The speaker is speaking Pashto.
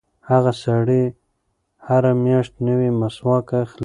هغه سړی هره میاشت نوی مسواک اخلي.